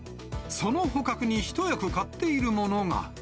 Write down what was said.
その捕獲に一役買っているものが。